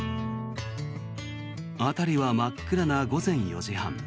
辺りは真っ暗な午前４時半。